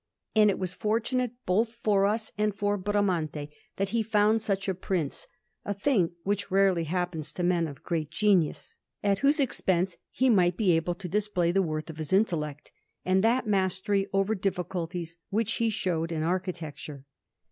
And it was fortunate both for us and for Bramante that he found such a Prince (a thing which rarely happens to men of great genius), at whose expense he might be able to display the worth of his intellect, and that mastery over difficulties which he showed in architecture.